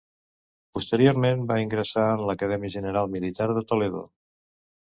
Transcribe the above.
Posteriorment va ingressar en l'Acadèmia General Militar de Toledo.